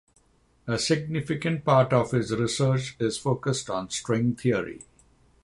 A significant part of his research is focused on string theory.